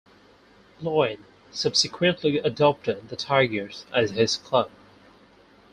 Lloyd subsequently adopted the Tigers as his club.